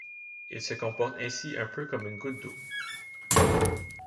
Il se comporte ainsi un peu comme une goutte d'eau.